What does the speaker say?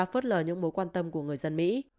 tôi đã phớt lờ những mối quan tâm của người dân mỹ